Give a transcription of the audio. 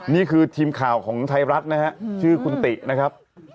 นี่คือทีมข่าวของไทยรัฐนะฮะชื่อคุณตินะครับ